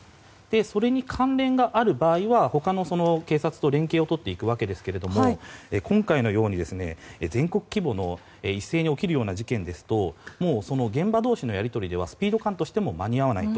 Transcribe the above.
それに関連がある場合は他の警察と連携を取っていくわけですけれども今回のように全国規模の一斉に起きるような事件ですと現場同士のやり取りではスピード感としても間に合わないと。